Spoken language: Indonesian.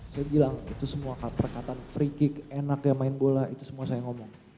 saya bilang itu semua perkataan free kick enak ya main bola itu semua saya ngomong